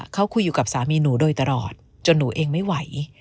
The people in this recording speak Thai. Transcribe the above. เขาคุยอยู่กับสามีหนูโดยตลอดจนหนูเองไม่ไหว